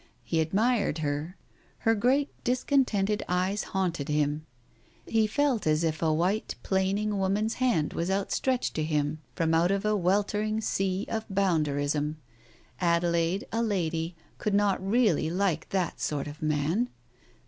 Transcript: He admired her. Her great dis contented eyes haunted him. He felt as if a white plaining woman's hand was outstretched to him from r 2 Digitized by Google 244 TALES OF THE UNEASY out of a weltering sea of bounderism. Adelaide, a lady, could not really like that sort of man